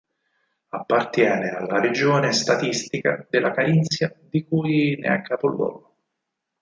Appartiene alla regione statistica della Carinzia di cui ne è capoluogo.